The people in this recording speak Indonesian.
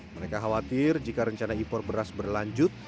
mereka khawatir jika rencana impor beras berlanjut